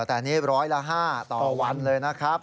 แต่นี่ร้อยละ๕ต่อวันเลยนะครับ